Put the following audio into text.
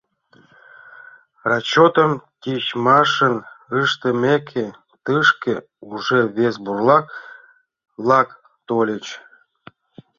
Расчётым тичмашын ыштымеке, тышке уже вес бурлак-влак тольыч.